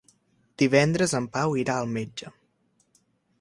Divendres en Pau irà al metge.